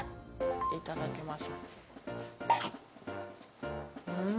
いただきます。